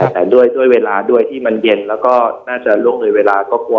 แต่ด้วยเวลาด้วยที่มันเย็นแล้วก็น่าจะล่วงเลยเวลาก็กลัว